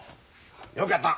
よくやった！